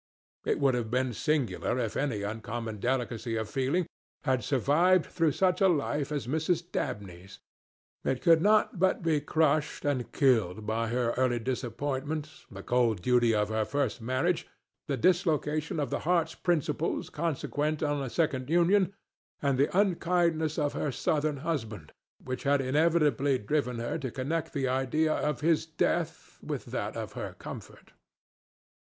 It would have been singular if any uncommon delicacy of feeling had survived through such a life as Mrs. Dabney's; it could not but be crushed and killed by her early disappointment, the cold duty of her first marriage, the dislocation of the heart's principles consequent on a second union, and the unkindness of her Southern husband, which had inevitably driven her to connect the idea of his death with that of her comfort.